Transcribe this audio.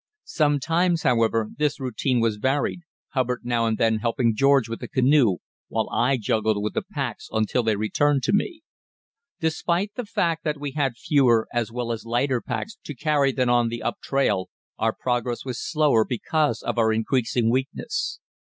Sometimes, however, this routine was varied, Hubbard now and then helping George with the canoe while I juggled with the packs until they returned to me. Despite the fact that we had fewer as well as lighter packs to carry than on the up trail, our progress was slower because of our increasing weakness.